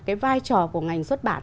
cái vai trò của ngành xuất bản